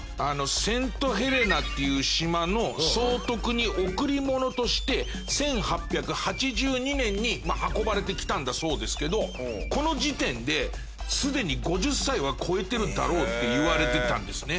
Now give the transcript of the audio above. セントヘレナっていう島の総督に贈り物として１８８２年に運ばれてきたんだそうですけどこの時点ですでに５０歳は超えてるだろうって言われてたんですね。